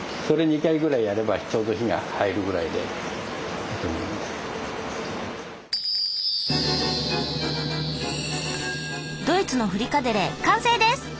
それ２回ぐらいやればちょうど火が入るぐらいでいいと思います。